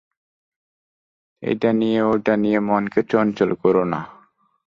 এটা ওটা নিয়ে মনকে চঞ্চল করো না।